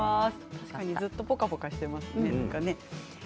確かにずっとポカポカしていますね。